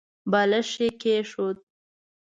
بالښت يې کېښود.